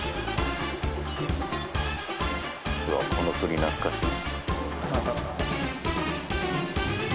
この振り懐かしい。